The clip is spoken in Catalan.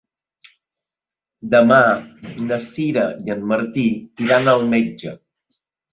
Demà na Sira i en Martí iran al metge.